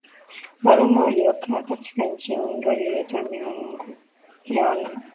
Waroma waliokaa katika nchi nyingi walileta miungu yao na